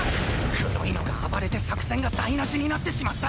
黒いのが暴れて作戦が台無しになってしまった！